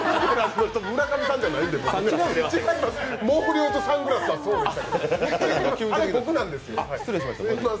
村上さんじゃないんですよ、違います。